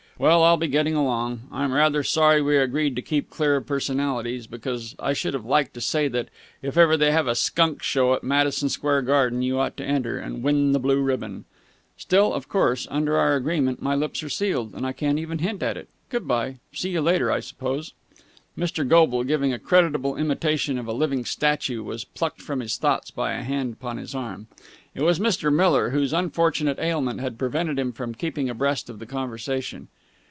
"Well, I'll be getting along. I'm rather sorry we agreed to keep clear of personalities, because I should have liked to say that, if ever they have a skunk show at Madison Square Garden, you ought to enter and win the blue ribbon. Still, of course, under our agreement my lips are sealed, and I can't even hint at it. Good bye. See you later, I suppose?" Mr. Goble, giving a creditable imitation of a living statue, was plucked from his thoughts by a hand upon his arm. It was Mr. Miller, whose unfortunate ailment had prevented him from keeping abreast of the conversation.